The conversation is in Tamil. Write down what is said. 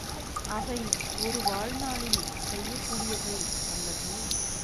அவை ஒரு வாழ்நாளில் செய்யக் கூடியவை அல்லவே!